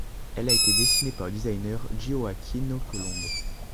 Elle a été dessinée par le designer Gioacchino Colombo.